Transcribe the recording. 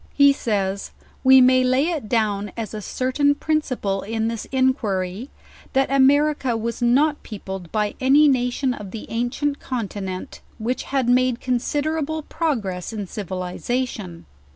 He says, "We may lay it down as a certain principle in this inquiry ,. that America was not peopled by a^y nation of the ancient continent, which had made considerable progress in civiliza tion.